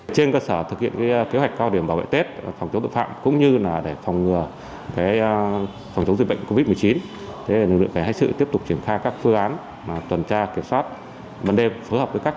trên cơ sở thực hiện kế hoạch cao điểm bảo vệ tết phòng chống tội phạm cũng như là để phòng ngừa phòng chống dịch bệnh covid một mươi chín